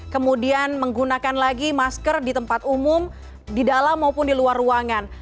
kemudian menggunakan lagi masker di tempat umum di dalam maupun di luar ruangan